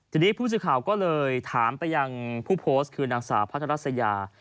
ทีนี้ผู้สื่อข่าวก็เลยถามไปยังผู้โพสต์คือนางสาวพัทรัสยา